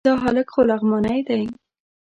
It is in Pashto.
دا هلک خو لغمانی دی...